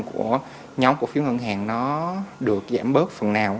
của nhóm cổ phiếu ngân hàng nó được giảm bớt phần nào